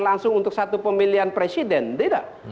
langsung untuk satu pemilihan presiden tidak